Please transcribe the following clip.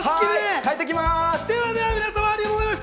帰ってきます。